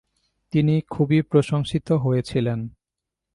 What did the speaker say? তিনি খুবই প্রশংসিত হয়েছিলেন।